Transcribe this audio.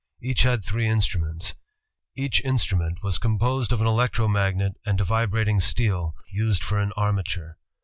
Each had three in struments. Each instrument was composed of an electro magnet and a vibrating steel used for an armature.